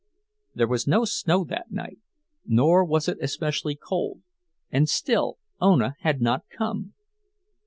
There was no snow that night, nor was it especially cold; and still Ona had not come!